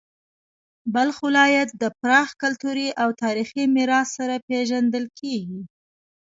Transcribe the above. بلخ ولایت د پراخ کلتوري او تاریخي میراث سره پیژندل کیږي.